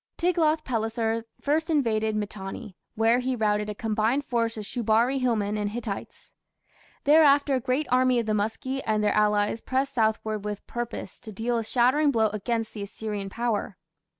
Tiglath pileser first invaded Mitanni, where he routed a combined force of Shubari hillmen and Hittites. Thereafter a great army of the Muski and their allies pressed southward with purpose to deal a shattering blow against the Assyrian power.